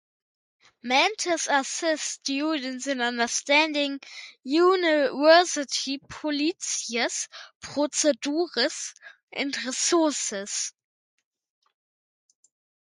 Mentors assist students in understanding university policies, procedures, and resources.